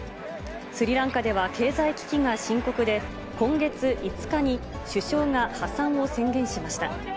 スリランカでは、経済危機が深刻で、今月５日に首相が破産を宣言しました。